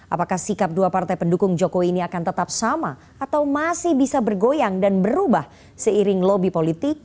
apakah sikap dua partai pendukung jokowi ini akan tetap sama atau masih bisa bergoyang dan berubah seiring lobby politik